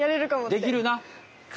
できるな？